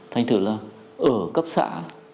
thành thử là ở cấp xã